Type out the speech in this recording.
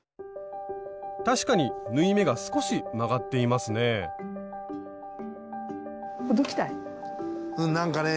確かに縫い目が少し曲がっていますねうんなんかね。